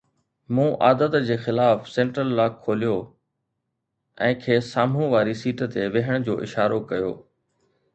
مون عادت جي خلاف سينٽرل لاڪ کوليو ۽ کيس سامهون واري سيٽ تي ويهڻ جو اشارو ڪيو